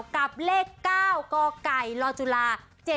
กับเลข๙กกรจุฬา๗๗๓๓